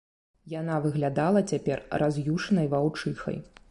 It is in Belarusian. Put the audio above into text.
Яна выглядала цяпер раз'юшанай ваўчыхай.